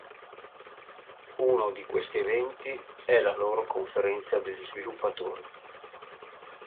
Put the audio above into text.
Uno di questi eventi è la loro Conferenza degli sviluppatori.